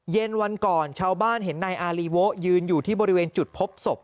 เย็นวันก่อนชาวบ้านเห็นนายอารีโวะยืนอยู่ที่บริเวณจุดพบศพ